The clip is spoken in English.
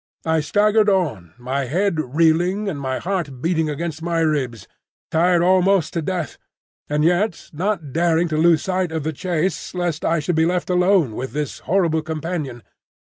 I staggered on, my head reeling and my heart beating against my ribs, tired almost to death, and yet not daring to lose sight of the chase lest I should be left alone with this horrible companion.